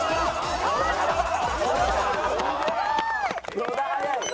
野田速い。